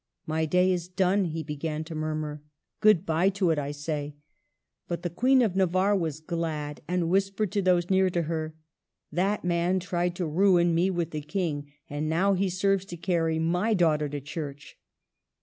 "■ My day is done," he began to murmur. *' Good by to it, I say !" But the Queen of Na varre was glad, and whispered to those near to her: ''That man tried to ruin me with the King; and now he serves to carry my daugh ter to church."